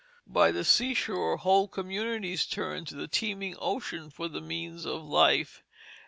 By the seashore whole communities turned to the teeming ocean for the means of life.